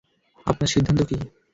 আপনার সিদ্ধান্ত কী?